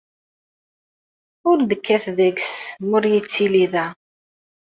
Ur d-kkat deg-s mi ur yettili da.